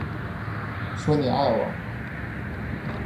说你爱我